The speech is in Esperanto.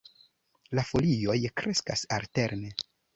La folioj kreskas alterne.